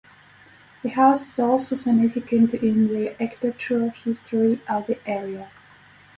The house is also significant in the architectural history of the area.